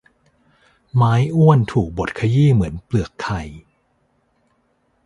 ไม้อ้วนถูกบดขยี้เหมือนเปลือกไข่